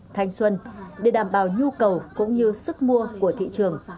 thanh xuân để đảm bảo nhu cầu cũng như sức mua của thị trường